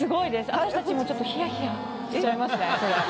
私たちもちょっとひやひやしちゃいますね。